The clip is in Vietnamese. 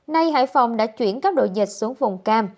nay hải phòng đã chuyển các đội dịch xuống vùng cam